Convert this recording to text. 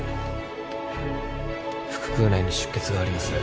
腹腔内に出血があります。